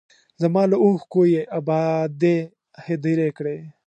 زما له اوښکو یې ابادې هدیرې کړې